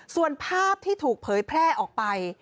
ส่วนภาพที่ถูกเผยแพร่ออกไป